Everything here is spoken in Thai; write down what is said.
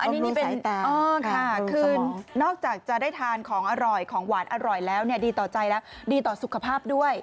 อันนี้นี่เป็นนอกจากจะได้ทานของอร่อยของหวานอร่อยแล้วเนี่ยดีต่อใจแล้วดีต่อสุขภาพด้วย